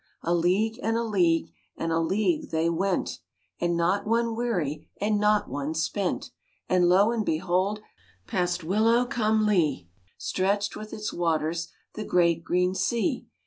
A league and a league And a league they went, RAINBOW GOLD And not one weary, And not one spent. And lo, and behold! Past Willow cum Leigh Stretched with its waters The great green sea.